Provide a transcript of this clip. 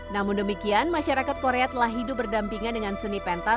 namun demikian masyarakat korea telah hidup berdampingan dengan seni penta